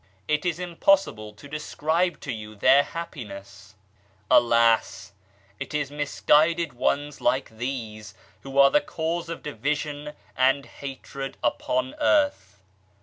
It is impossible to describe to you their happiness ! Alas ! It is misguided ones like these who are the cause of division and hatred upon earth.